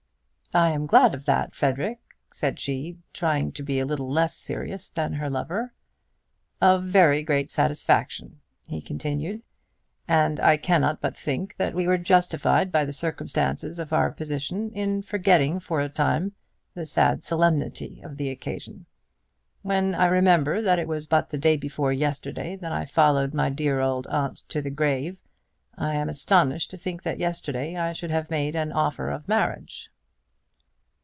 "I am glad of that, Frederic," said she, trying to be a little less serious than her lover. "Of very great satisfaction," he continued; "and I cannot but think that we were justified by the circumstances of our position in forgetting for a time the sad solemnity of the occasion. When I remember that it was but the day before yesterday that I followed my dear old aunt to the grave, I am astonished to think that yesterday I should have made an offer of marriage."